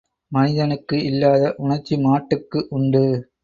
மனிதனுக்கு இல்லாத உணர்ச்சி மாட்டுக்கு உண்டு.